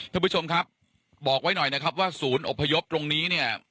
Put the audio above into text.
ท่านผู้ชมครับบอกไว้หน่อยนะครับว่าศูนย์อบพยพตรงนี้เนี่ย